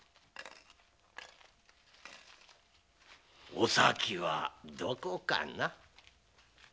お咲はどこかな？